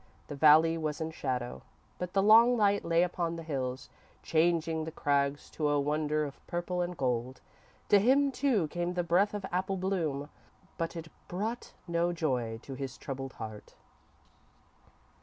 The valley was in shadow, but the long light lay upon the hills, changing the crags to a wonder of purple and gold. To him, too, came the breath of apple bloom, but it brough no joy to his troubled heart.